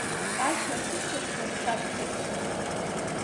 Ашәа сыцырҳәо, саԥхьеит.